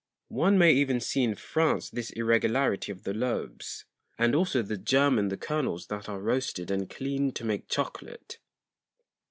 One may even see in France this Irregularity of the Lobes, and also the Germ in the Kernels that are roasted and cleaned to make Chocolate.